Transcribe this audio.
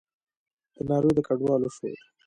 د ناروې د کډوالو شورا